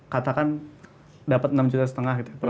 katakan dapat enam juta setengah gitu